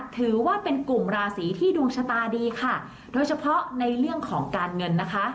ถือว่าเป็นกลุ่มราศีที่ดวงชะตาดีค่ะโดยเฉพาะในเรื่องของการเงินนะคะ